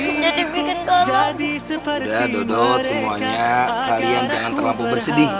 udah dodot semuanya kalian jangan terlalu bersedih